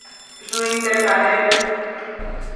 Shuinte tsadec u